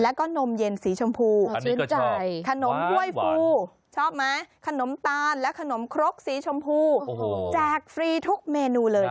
แล้วก็นมเย็นสีชมพูชื่นใจขนมห้วยฟูชอบไหมขนมตาลและขนมครกสีชมพูแจกฟรีทุกเมนูเลย